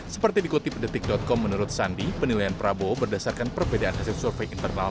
seperti dikutip detik com menurut sandi penilaian prabowo berdasarkan perbedaan hasil survei internal